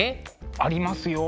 ありますよ。